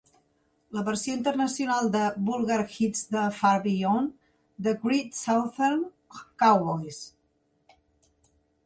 La versió internacional de Vulgar Hits de Far Beyond the Great Southern Cowboys!